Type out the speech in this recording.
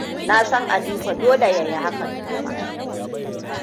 Nasan Aliko dole yayi hakan kuma.